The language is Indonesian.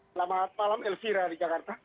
selamat malam elvira di jakarta